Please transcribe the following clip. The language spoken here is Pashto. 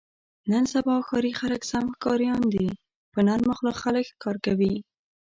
نن سبا ښاري خلک سم ښکاریان دي. په نرمه خوله خلک ښکار کوي.